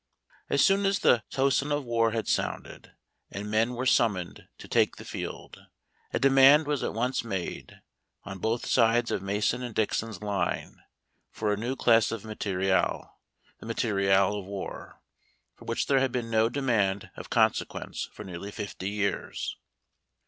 As soon as J u t^ the tocsin of war had sounded, '^^^P K '^"^^^^^^™®'^^^^^'^ summoned to ' take the field, a demand was at once made, on both sides of Mason and Dixon's line, for a new class of materials — the materials of war, for which there had been no demand of consequence for nearly fifty years.